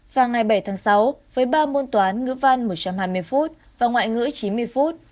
và ngày bảy tháng sáu với ba môn toán ngữ văn một trăm hai mươi phút và ngoại ngữ chín mươi phút